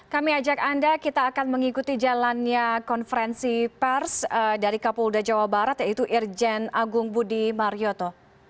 kami ajak anda kita akan mengikuti jalannya konferensi pers dari kapolda jawa barat yaitu irjen agung budi marioto